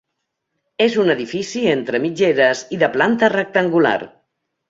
És un edifici entre mitgeres i de planta rectangular.